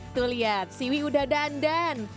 tuh lihat siwi udah dandan